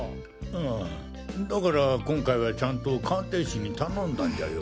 ああだから今回はちゃんと鑑定士に頼んだんじゃよ。